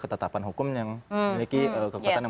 ketetapan hukum yang memiliki kekuatan yang